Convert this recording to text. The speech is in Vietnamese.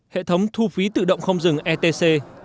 hệ thống thu phí tự động không rừng etc